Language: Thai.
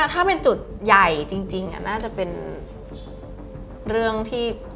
ถ้าเป็นจุดใหญ่จริงน่าจะเป็นเรื่องที่